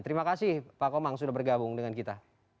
terima kasih pak komang sudah bergabung dengan kita